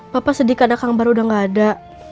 papa sedih karena kang bahar udah nggak ada